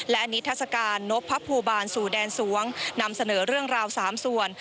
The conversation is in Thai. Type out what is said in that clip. และนิทัศกาลนพพระภูบาลสู่แดนสวงนำเสนอเรื่องราว๓ส่วน